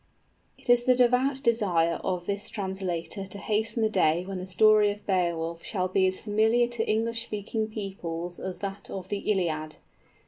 _It is the devout desire of this translator to hasten the day when the story of Beowulf shall be as familiar to English speaking peoples as that of the Iliad.